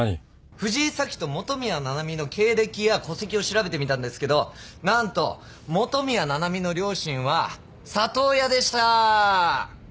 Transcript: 藤井早紀と元宮七海の経歴や戸籍を調べてみたんですけど何と元宮七海の両親は里親でした。